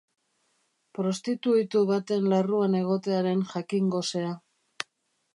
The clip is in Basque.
Prostituitu baten larruan egotearen jakin-gosea.